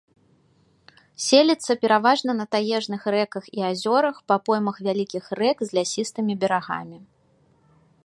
Селіцца пераважна на таежных рэках і азёрах па поймах вялікіх рэк з лясістымі берагамі.